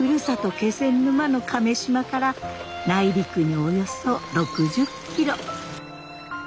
気仙沼の亀島から内陸におよそ６０キロ。